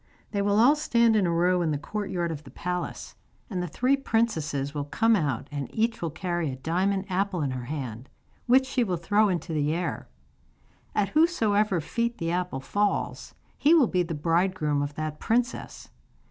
They will all stand in a row in the courtyard of the palace, and the three princesses will come out, and each will carry a diamond apple in her hand, which she will throw into the air. At whosesoever feet the apple falls he will be the bridegroom of that princess.